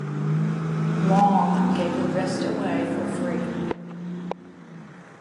Long gave the rest away for free.